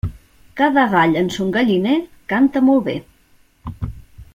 Cada gall en son galliner canta molt bé.